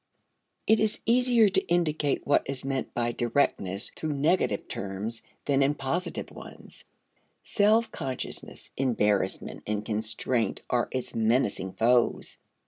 It is easier to indicate what is meant by directness through negative terms than in positive ones. Self consciousness, embarrassment, and constraint are its menacing foes.